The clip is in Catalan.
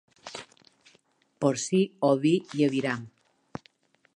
Porcí, oví i aviram.